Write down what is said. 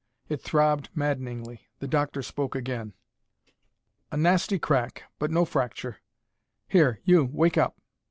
It throbbed maddeningly. The doctor spoke again. "A nasty crack, but no fracture. Here, you wake up."